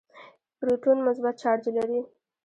پروټون مثبت چارج لري.